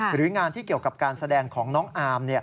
หรืองานที่เกี่ยวกับการแสดงของน้องอาร์ม